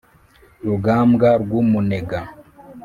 Rugambwa rw'umunega